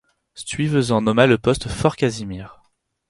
Stuyvesant nomma le poste Fort Casimir.